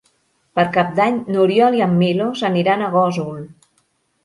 Per Cap d'Any n'Oriol i en Milos aniran a Gósol.